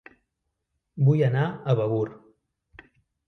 Vull anar a Begur